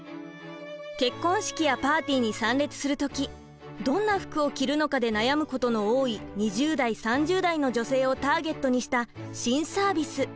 結婚式やパーティーに参列する時どんな服を着るのかで悩むことの多い２０代３０代の女性をターゲットにした新サービス。